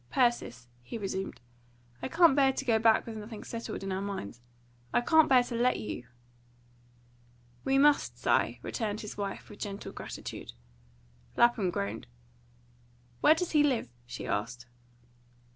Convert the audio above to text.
"Persis," he resumed, "I can't bear to go back with nothing settled in our minds. I can't bear to let you." "We must, Si," returned his wife, with gentle gratitude. Lapham groaned. "Where does he live?" she asked.